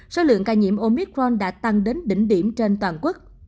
số lượng ca nhiễm omitron đã tăng đến đỉnh điểm trên toàn quốc